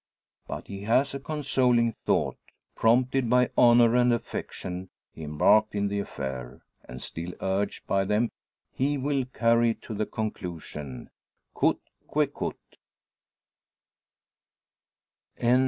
But he has a consoling thought. Prompted by honour and affection, he embarked in the affair, and still urged by them he will carry it to the conclusion coute que coute.